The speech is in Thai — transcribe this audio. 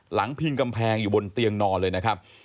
พิงกำแพงอยู่บนเตียงนอนเลยนะครับ